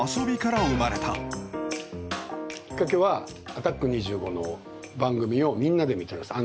きっかけは「アタック２５」の番組をみんなで見てたんです。